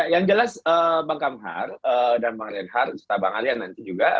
yang jelas bang kamhar dan bang reinhard serta bang arya nanti juga